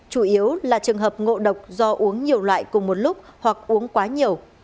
chủ yếu là trường hợp ngộ độc do uống nhiều loại cùng một lúc hoặc uống quá nhiều